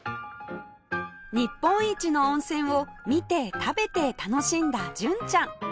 日本一の温泉を見て食べて楽しんだ純ちゃん